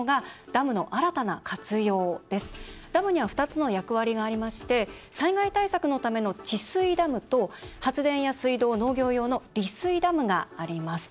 ダムには２つの役割があり災害対策のための「治水ダム」と発電や水道、農業用の「利水ダム」があります。